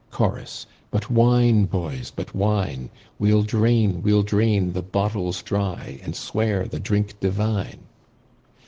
Chorus, But wine, boys, but wine ! We'll drain, we'll drain the bottles dry. And swear the drink divine